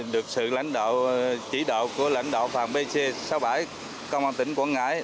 được sự lãnh đạo chỉ đạo của lãnh đạo phòng pc sáu mươi bảy công an tỉnh quảng ngãi